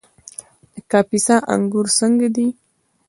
د کاپیسا انګور څنګه دي؟